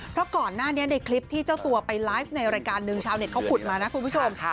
เพราะก่อนหน้านี้ในคลิปที่เจ้าตัวไปไลฟ์ในรายการหนึ่งชาวเน็ตเขาขุดมานะคุณผู้ชม